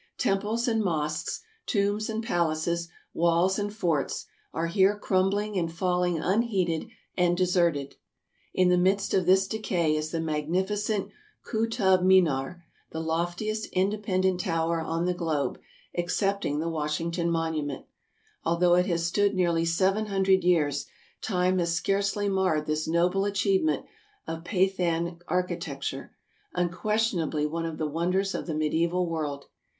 Temples and mosques, tombs and palaces, walls and forts, are here crumbling and falling unheeded and deserted. In the midst of this decay is the magnificent Kootub Minar, the loftiest independent tower on the globe, except ing the Washington Monument. Although it has stood nearly seven hundred years, time has scarcely marred this noble achievement of Pathan architecture, unquestionably one of the wonders of the mediaeval world.